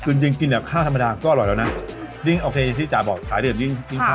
จริงจริงกินแบบข้าวสัมปัดาก็อร่อยแล้วนะดิ้งโอเคที่จ๋าบอกขายดื่มดิ้งดิ้งเข้า